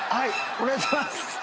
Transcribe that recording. お願いします。